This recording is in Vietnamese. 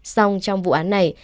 xong trong vụ án này